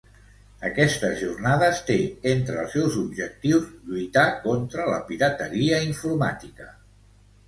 Aquestes jornades té entre els seus objectius lluitar contra la pirateria informàtica.